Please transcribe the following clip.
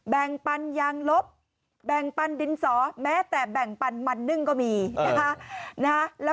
แบ่งปันยางลบแบ่งปันดินสอแม้แต่แบ่งปันมันนึ่งก็มีนะคะ